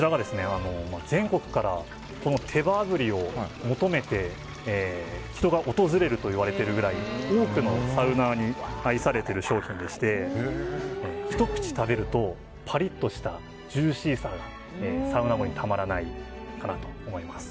全国から手羽あぶりを求めて人が訪れるといわれているくらい多くのサウナーに愛されている商品でしてひと口食べるとパリッとしたジューシーさがサウナ後にたまらないです。